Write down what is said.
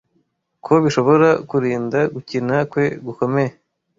Ko bishobora kurinda gukina kwe gukomeye